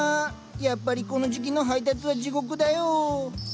やっぱりこの時期の配達は地獄だよ。